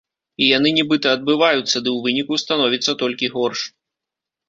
І яны нібыта адбываюцца, ды ў выніку становіцца толькі горш.